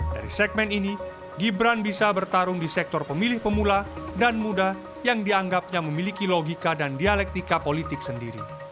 dari segmen ini gibran bisa bertarung di sektor pemilih pemula dan muda yang dianggapnya memiliki logika dan dialektika politik sendiri